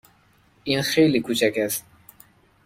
این خیلی کوچک است.